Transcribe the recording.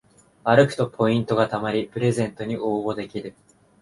歩くとポイントがたまりプレゼントに応募できる